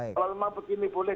kalau memang begini boleh